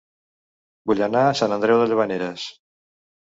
Vull anar a Sant Andreu de Llavaneres